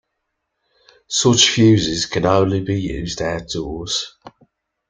Such fuses can only be used outdoors.